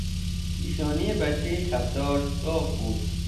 پیشانی بچهی تبدار داغ بود.